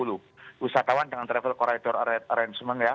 wisatawan dengan travel corridor arrangement ya